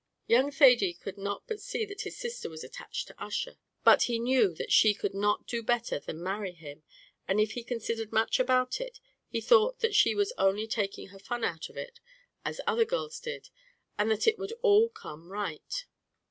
Young Thady could not but see that his sister was attached to Ussher; but he knew that she could not do better than marry him, and if he considered much about it, he thought that she was only taking her fun out of it, as other girls did, and that it would all come right.